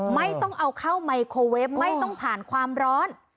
ไม่ต้องเอาเข้าไมโครเวฟไม่ต้องผ่านความร้อน